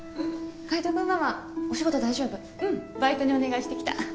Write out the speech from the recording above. バイトにお願いしてきた。